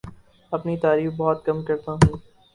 اپنی تعریف بہت کم کرتا ہوں